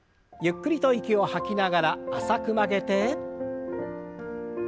ゆっくりと息を吐きながら浅く曲げて。